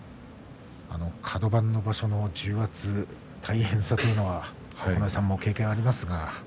カド番の場所の重圧大変さというのは九重さんも経験ありますが。